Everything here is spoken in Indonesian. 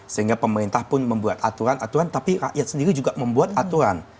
sehingga pemerintah pun membuat aturan aturan tapi rakyat sendiri juga membuat aturan